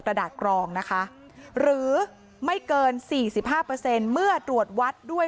ตระดาษกรองนะคะหรือไม่เกิน๔๕เปอร์เซ็นต์เมื่อตรวจวัดด้วย